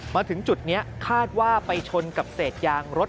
มาถึงจุดนี้คาดว่าไปชนกับเศษยางรถ